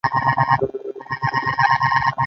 نارې زیاتره نالوستو نارینه وو او ښځو جوړې کړې دي.